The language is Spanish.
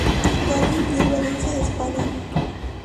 Gallen y el Valencia de España.